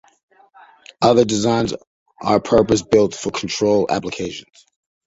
Other designs are purpose built for control applications.